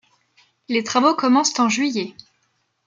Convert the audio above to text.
Les travaux commencent en juillet.